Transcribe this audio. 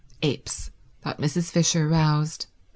Apes, thought Mrs. Fisher, roused.